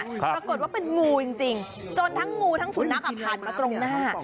ปรากฏว่าเป็นงูจริงจนทั้งงูทั้งสุนัขผ่านมาตรงหน้า